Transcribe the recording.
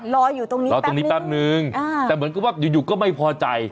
รออยู่ตรงนี้รอตรงนี้แป๊บนึงแต่เหมือนกับว่าอยู่ก็ไม่พอใจ